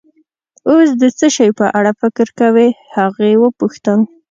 اوس د څه شي په اړه فکر کوې؟ هغې وپوښتل.